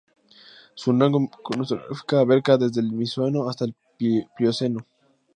Su rango cronoestratigráfico abarca desde el Mioceno hasta el Plioceno.